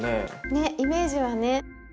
ねイメージはね。